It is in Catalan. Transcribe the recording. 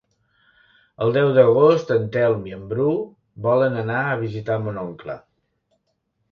El deu d'agost en Telm i en Bru volen anar a visitar mon oncle.